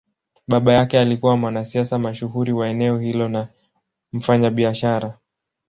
Baba yake alikuwa mwanasiasa mashuhuri wa eneo hilo na mfanyabiashara.